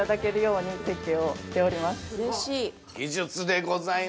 ◆うれしい。